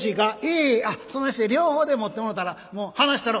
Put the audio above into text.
「ええ。あっそないして両方で持ってもろうたらもう離したろ」。